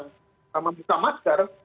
kalau membuka masker